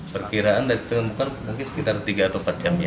perkiraan dari tempat mungkin sekitar tiga atau empat jam ya